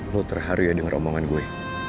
lo terharu ya denger omongan gue